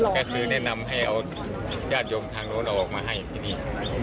กระทือแนะนำให้เอายาดยงทางออกมาให้ที่นี่